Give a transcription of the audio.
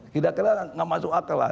tidak kira tidak masuk akal lah